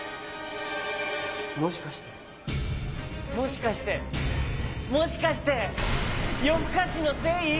もしかしてもしかしてもしかしてよふかしのせい？